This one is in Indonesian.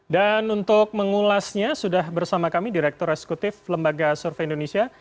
dan untuk mengulasnya sudah bersama kami direktur reskutif lembaga survei indonesia